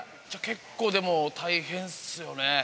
結構、大変っすよね。